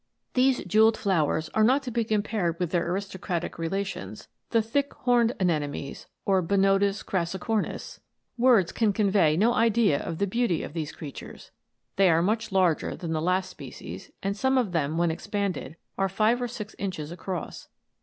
These jewelled flowers are not to be compared with their aristocratic relations, the thick horned anemones.* Words can convey no idea of the beauty of these creatures. They are much larger than the last species, and some of them, when ex panded, are five or six inches across.